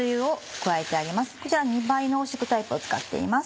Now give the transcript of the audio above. こちら２倍濃縮タイプを使っています。